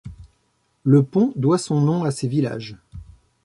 Le pont doit son nom à ces villages.